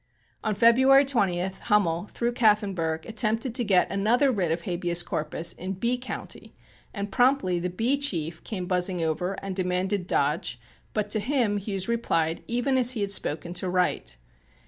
On February 20th, Hummel, through Kaffenburgh, attempted to get another writ of habeas corpus in Bee County, and promptly the Bee chief came buzzing over and demanded Dodge, but to him Hughes replied even as he had spoken to Wright.